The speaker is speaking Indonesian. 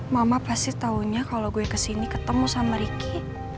mama pasti tahunya kalau gue kesini ketemu sama ricky